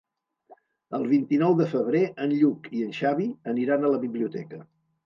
El vint-i-nou de febrer en Lluc i en Xavi aniran a la biblioteca.